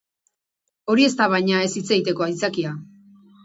Hori ez da, baina, ez hitz egiteko aitzakia.